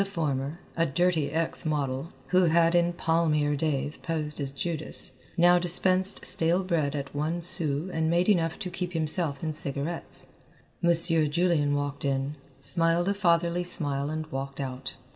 The former, a dirty ex model, who had in palmier days posed as Judas, now dispensed stale bread at one sou and made enough to keep himself in cigarettes. Monsieur Julian walked in, smiled a fatherly smile and walked out.